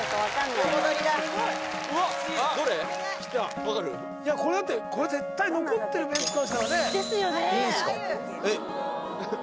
いやこれだってこれ絶対残ってるメンツからしたらねですよねいいんすか？